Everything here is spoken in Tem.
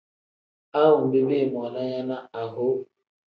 A wenbi biimoona nya ne aho.